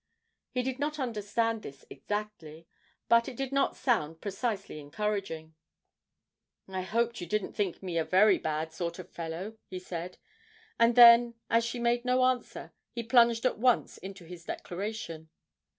He did not understand this exactly, but it did not sound precisely encouraging. 'I hoped you didn't think me a very bad sort of fellow,' he said. And then, as she made no answer, he plunged at once into his declaration.